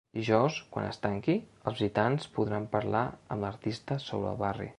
Dijous, quan es tanqui, els visitants podran parlar amb l’artista sobre el barri.